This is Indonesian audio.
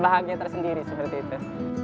bahagia terus sendiri sujarit itu